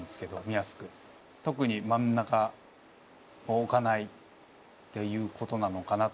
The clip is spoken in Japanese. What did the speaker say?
特に真ん中を置かないっていうことなのかなと。